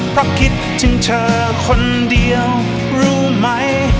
เพราะคิดถึงเธอคนเดียวรู้ไหม